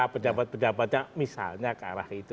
pejabat pejabatnya misalnya ke arah itu